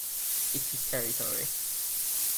It's his territory.